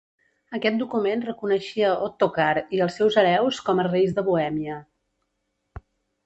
Aquest document reconeixia Ottokar i els seus hereus com a Reis de Bohèmia.